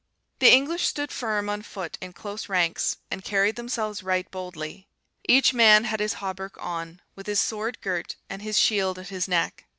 "The English stood firm on foot in close ranks, and carried themselves right boldly. Each man had his hauberk on, with his sword girt, and his shield at his neck.